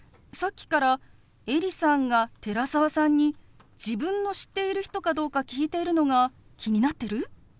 さっきからエリさんが寺澤さんに自分の知っている人かどうか聞いているのが気になってる？